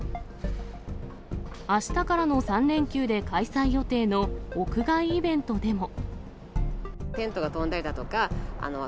あしたからの３連休で開催予定の屋外イベントでも。